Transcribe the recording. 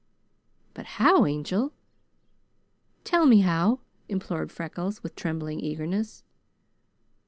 "But how? Angel, tell me how!" implored Freckles with trembling eagerness.